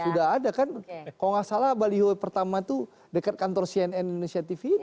sudah ada kan kalau enggak salah baliho pertama itu dekat kantor cnn inisiatif ini